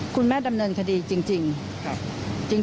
คุณแม่ดำเนินคดีจริง